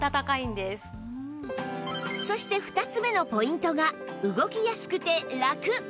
そして２つ目のポイントが動きやすくてラク！